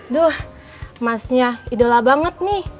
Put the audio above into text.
duh emasnya idola banget nih